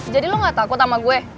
jadi lo gak takut sama gue